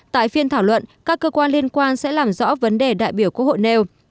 tại phiên thảo luận các cơ quan liên quan sẽ làm rõ vấn đề đại biểu quốc hội nêu